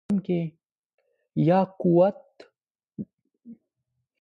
یاقوت د افغانستان د طبیعت برخه ده.